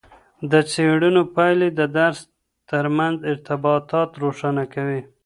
د څیړنو پایلې د درس ترمنځ ارتباطات روښانه کوي.